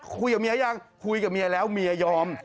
คุยกับเมียยังคุยกับเมียแล้วเมียยอม